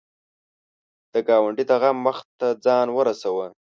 د ګاونډي د غم وخت ته ځان ورسوه